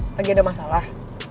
lagi ada masalah